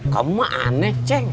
kamu mah aneh ceng